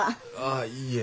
あいえ。